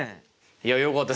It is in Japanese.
いやよかった。